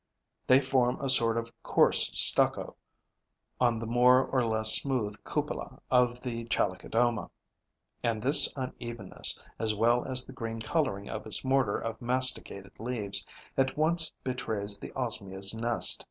They form a sort of coarse stucco, on the more or less smooth cupola of the Chalicodoma; and this unevenness, as well as the green colouring of its mortar of masticated leaves, at once betrays the Osmia's nest.